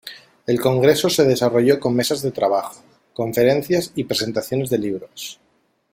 El Congreso se desarrolló con Mesas de trabajo, Conferencias y Presentaciones de libros.